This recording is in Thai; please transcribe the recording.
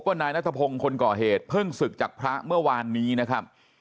นายนัทพงศ์คนก่อเหตุเพิ่งศึกจากพระเมื่อวานนี้นะครับ